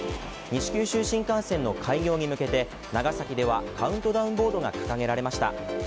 西九州新幹線の開業に向けて長崎ではカウントダウンボードが掲げられました。